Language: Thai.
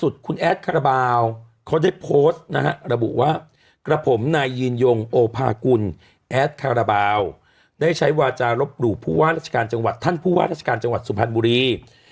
ใช้วาจรรพยูทัลท่านผู้ว่ารัชกาลจังหวัดจังหวัดสุพรรณบุรี